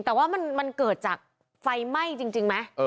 แต่ว่ามันเกิดจากไฟไหม้จริงไหม